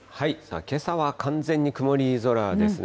けさは完全に曇り空ですね。